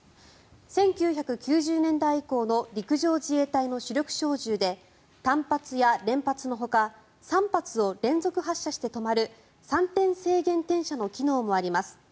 １９９０年代以降の陸上自衛隊の主力小銃で単発や連発のほか３発を連続発射して止まる３点制限点射の機能もあります。